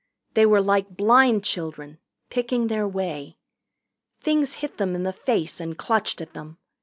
They were like blind children, picking their way. Things hit them in the face and clutched at them.